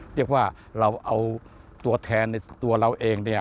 เรียกว่าเราเอาตัวแทนในตัวเราเองเนี่ย